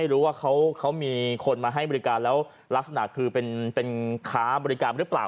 รู้ว่าเขามีคนมาให้บริการแล้วลักษณะคือเป็นค้าบริการหรือเปล่า